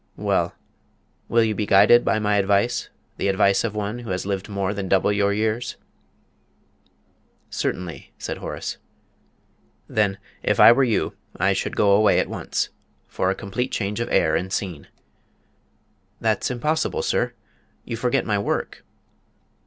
"Well will you be guided by my advice the advice of one who has lived more than double your years?" "Certainly," said Horace. "Then, if I were you, I should go away at once, for a complete change of air and scene." "That's impossible, sir you forget my work!"